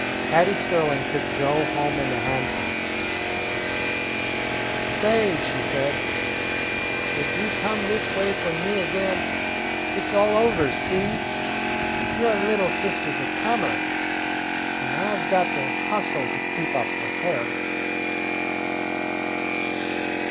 Hattie Sterling took Joe home in a hansom. "Say," she said, "if you come this way for me again, it 's all over, see? Your little sister 's a comer, and I 've got to hustle to keep up with her."